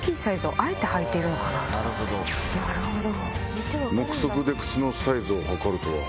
なるほど。